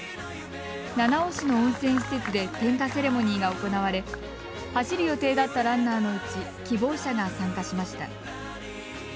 七尾市の温泉施設で点火セレモニーが行われ走る予定だったランナーのうち希望者が参加しました。